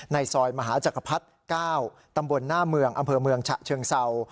ในซอยมหาจักรพรรดิ๙ตำบลหน้าเมืองอำเภอเมืองฉะเชิงเศร้า